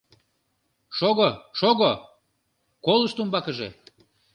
— Шого, шого, колышт умбакыже...